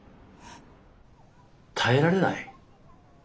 耐えられない？